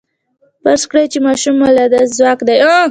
فرض کړئ چې ماشوم مؤلده ځواک دی.